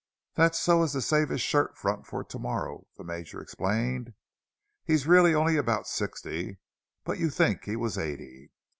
"That's so as to save his shirt front for to morrow," the Major explained. "He's really only about sixty, but you'd think he was eighty.